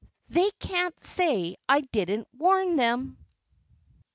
"They can't say I didn't warn them!"